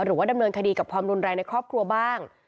หรือว่าดำเนินคดีกับความรุนแรงในครอบครัวบ้าง